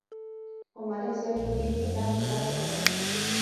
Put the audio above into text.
خو ملک صاحب پکې پټک پټک وکړ.